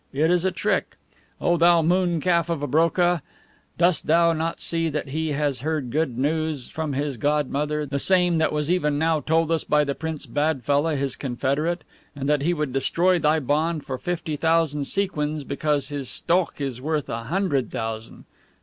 It is a trick, O thou mooncalf of a BROKAH! Dost thou not see that he has heard good news from his godmother, the same that was even now told us by the Prince BADFELLAH, his confederate, and that he would destroy thy bond for fifty thousand sequins because his STOKH is worth a hundred thousand!